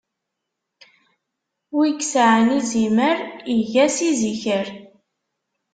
Wi isɛan izimer, iga-s iziker.